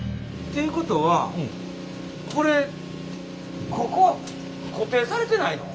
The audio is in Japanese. ということはこれここ固定されてないの？